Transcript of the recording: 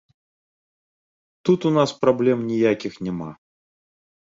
Тут у нас праблем ніякіх няма.